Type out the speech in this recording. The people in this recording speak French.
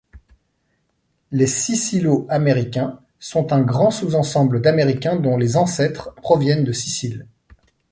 Les Sicilo-Américains sont un grand sous-ensemble d'Américains dont les ancêtres proviennent de Sicile.